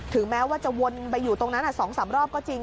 แม้ว่าจะวนไปอยู่ตรงนั้น๒๓รอบก็จริง